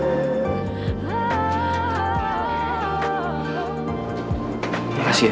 terima kasih ya